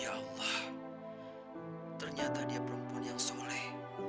ya allah ternyata dia perempuan yang soleh